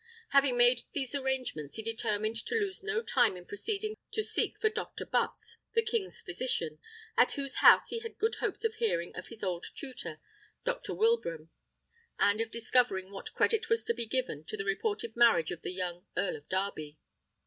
Having made these arrangements, he determined to lose no time in proceeding to seek for Dr. Butts, the king's physician, at whose house he had good hopes of hearing of his old tutor, Dr. Wilbraham, and of discovering what credit was to be given to the reported marriage of the young Earl of Darby.